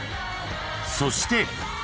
［そして］